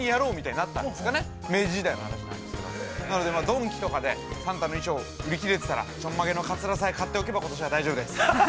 なので、ドンキとかでサンタの衣装が売り切れていても、ちょんまげのカツラさえ買っておけば大丈夫です。